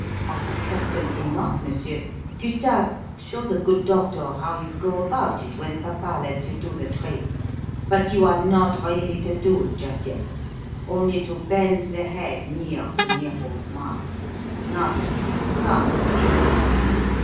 "Of a certainty not, monsieur. Gustave, show the good doctor how you go about it when papa lets you do the trick. But you are not really to do it just yet, only to bend the head near to Nero's mouth. Now then, come, see."